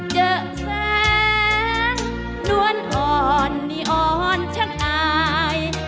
เจอแสงนวลอ่อนนี่อ่อนชักอาย